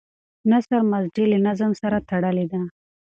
نثر مسجع له نظم سره تړلی دی.